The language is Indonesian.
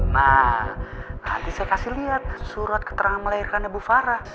nah nanti saya kasih lihat surat keterangan melahirkan ibu fara